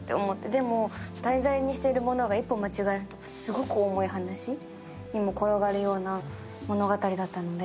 でも、題材にしてるものが一歩間違えるとすごく重い話にも転がるような物語だったので。